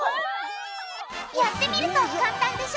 やってみると簡単でしょ！